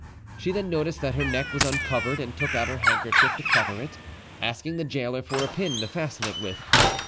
She then noticed that her neck was uncovered, and took out her handkerchief to cover it, asking the gaoler for a pin to fasten it with.